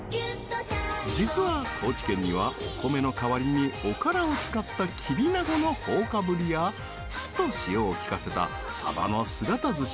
実は、高知県にはお米の代わりに、おからを使った「キビナゴのほおかぶり」や酢と塩を利かせた「サバの姿寿司」。